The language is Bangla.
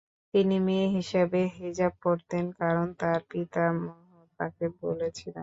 তিনি মেয়ে হিসেবে হিজাব পরতেন কারণ তার পিতামহ তাকে বলেছিলেন।